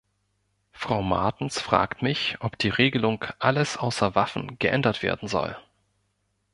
Frau Martens fragt mich, ob die Regelung "Alles außer Waffen" geändert werden soll.